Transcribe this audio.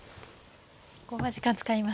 ここは時間使いますね。